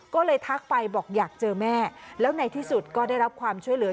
ก็เลยทักไปบอกอยากเจอแม่แล้วในที่สุดก็ได้รับความช่วยเหลือ